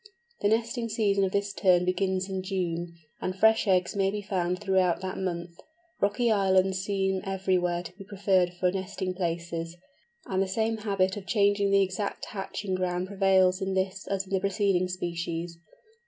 The nesting season of this Tern begins in June, and fresh eggs may be found throughout that month. Rocky islands seem everywhere to be preferred for nesting places, and the same habit of changing the exact hatching ground prevails in this as in the preceding species.